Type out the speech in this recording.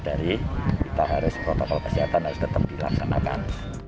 jadi kita harus protokol kesehatan harus tetap dilaksanakan